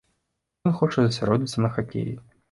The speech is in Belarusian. Ён хоча засяродзіцца на хакеі.